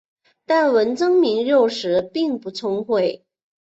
但文征明幼时并不聪慧。